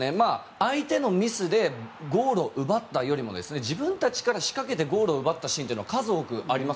相手のミスでゴールを奪ったよりも自分たちから仕掛けてゴールを奪ったシーンは数多くあります。